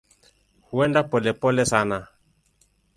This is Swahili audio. Huenda polepole sana.